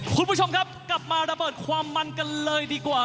คุณผู้ชมครับกลับมาระเบิดความมันกันเลยดีกว่า